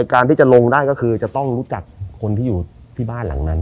การที่จะลงได้ก็คือจะต้องรู้จักคนที่อยู่ที่บ้านหลังนั้น